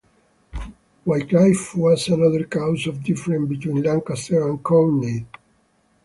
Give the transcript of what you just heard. Wycliffe was another cause of difference between Lancaster and Courtenay.